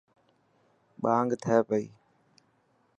ٻانگ ٿي پئي.